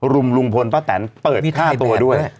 รุมลุงพลป้าแตนเปิดฆ่าตัวด้วย